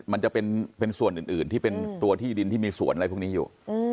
มันจะเป็นส่วนอื่นที่เป็นตัวที่ดินที่มีสวนอะไรพวกนี้อยู่